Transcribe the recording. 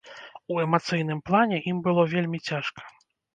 У эмацыйным плане ім было вельмі цяжка.